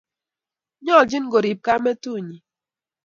Nyoljin korib kametunyi